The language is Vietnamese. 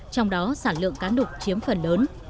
trong đó sản lượng cá nục chiếm phần lớn